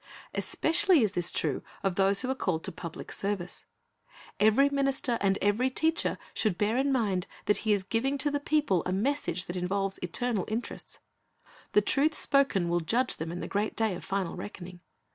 Especially is this true of those who are called to public service. Every minister and every teacher should bear in mind that he is giving to the people a message that involves eternal interests. The truth spoken will judge them in the great day of final reckoning.